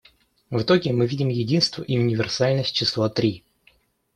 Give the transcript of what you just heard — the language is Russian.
В итоге мы видим единство и универсальность числа «три».